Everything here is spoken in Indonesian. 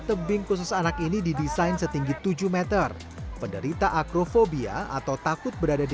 tebing khusus anak ini didesain setinggi tujuh m penderita akrofobia atau takut berada di